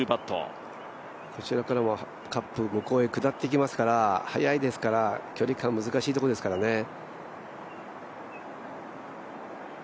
後ろからもカップ、向こうへ下っていきますから速いですから、距離感難しいところですからね。